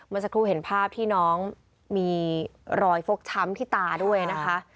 สักครู่เห็นภาพที่น้องมีรอยฟกช้ำที่ตาด้วยนะคะ